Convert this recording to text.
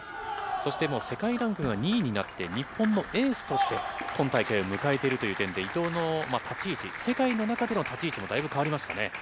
そしてもう世界ランクでは２位になって、日本のエースとして今大会を迎えているという点で、伊藤の立ち位置、世界の中での立ち位置がだいぶ変わりましたね。